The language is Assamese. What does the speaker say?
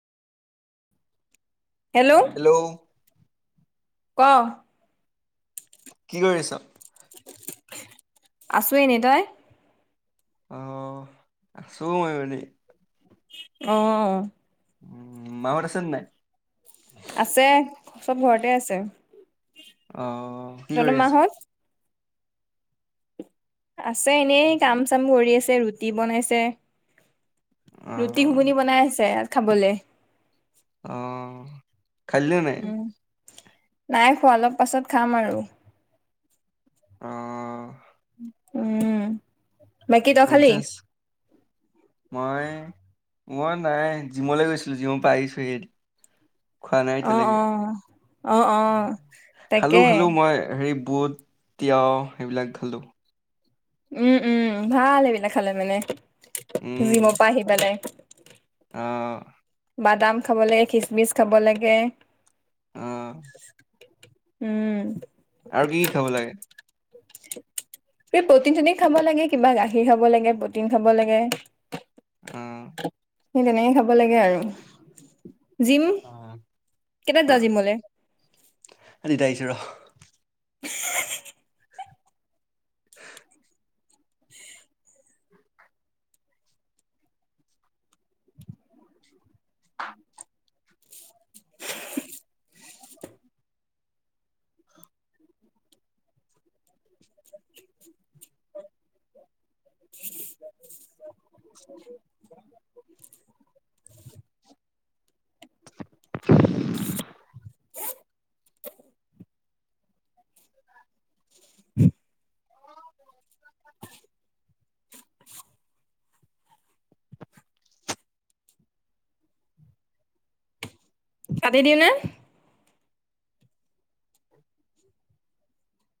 হেল্ল'। হেল্ল'। ক'। কি কৰি আছোঁ? আছোঁ এনে তই? অ আছোঁ মইও এনে। অ'। উম' মাহত আছেন নাই? আছে, চব ঘৰতে আছে। অ'। তহঁতৰ মাহত? আছে এনেই কাম চাম কৰি আছে, ৰুটি বনাইছে। ৰুটি অহ ঘুগুনি বনাই আছে, খাবলে। অ'। উম' নাই খোৱা অলপ পাছত খাম আৰু। অ' উম'। বাকী তই খালি ননচেন্স, মই মই নাই জিমলৈ গৈছিলোঁ, জিমৰ পৰা আহিছোহে। খোৱা নাই অ' এতিয়ালৈকে। অ', অ' অ'। খালো তাকে খালো, মই হেৰি বুট তিয়হ সেইবিলাক খালো। উম' উম', ভাল সেইবিলাক খালে মানে, জিম পা আহি পেলাই। অ'। বাদাম খাব লাগে, খিচমিচ খাব লাগে। অ'। উম'। আৰু কি কি খাব লাগে? এ প্ৰটিন চতিন খাব লাগে, কিবা গাখীৰ খাব লাগে, প্ৰটিন খাব লাগে। অ'। সেই তেনেকে খাব লাগে আৰু। জিম, অহ কেইটাত যায় জিমলে। এ দিতা আহিছে ৰহ। [unintelligible] [unintelligible] [unintelligible] [inaudible] কাটি দিওঁ নে?